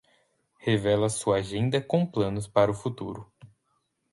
Revela sua agenda com planos para o futuro